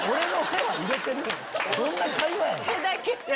どんな会話やねん。